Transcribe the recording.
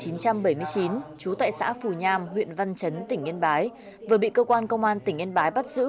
năm một nghìn chín trăm bảy mươi chín chú tại xã phù nham huyện văn chấn tỉnh yên bái vừa bị cơ quan công an tỉnh yên bái bắt giữ